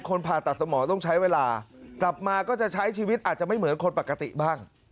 ผ่าตัดสมองต้องใช้เวลากลับมาก็จะใช้ชีวิตอาจจะไม่เหมือนคนปกติบ้าง